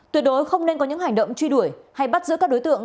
tuyệt đối không nên có những hành động truy đuổi hay bắt giữ các đối tượng